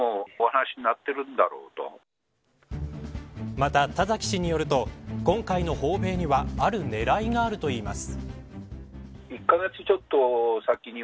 また田崎氏によると今回の訪米にはある狙いがあるといいます。